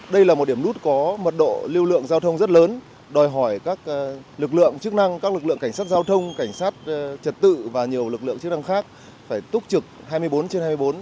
đây là một điểm nút có mật độ lưu lượng giao thông rất lớn đòi hỏi các lực lượng chức năng các lực lượng cảnh sát giao thông cảnh sát trật tự và nhiều lực lượng chức năng khác phải túc trực hai mươi bốn trên hai mươi bốn